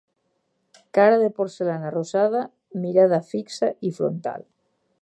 Cara de porcellana rosada, mirada fixa i frontal.